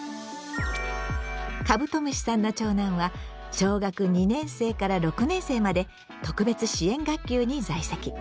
カブトムシさんの長男は小学２年生から６年生まで特別支援学級に在籍。